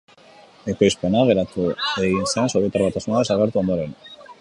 Ekoizpena geratu egin zen Sobietar Batasuna desagertu ondoren.